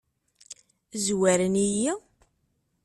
Zwaren-iyi?